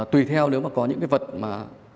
tùy theo nếu mà có những cái vật mà